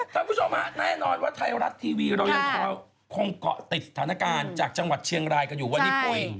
คุณผู้ชมฮะแน่นอนว่าไทยรัฐทีวีเรายังคงเกาะติดสถานการณ์จากจังหวัดเชียงรายกันอยู่วันนี้ปุ้ย